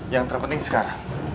yang terpenting sekarang